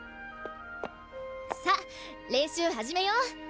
さあ練習始めよう！